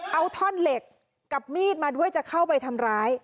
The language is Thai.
เอาท่อนเหล็กกับมีดมาด้วยจะเข้าไปทำร้าย